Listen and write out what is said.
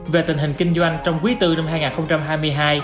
về tình hình kinh doanh trong quý bốn năm hai nghìn hai mươi hai